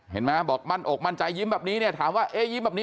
เห็นไหมบอกมั่นอกมั่นใจยิ้มแบบนี้เนี่ยถามว่าเอ๊ยิ้มแบบนี้